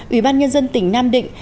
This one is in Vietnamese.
ủy ban nhân dân tỉnh nam định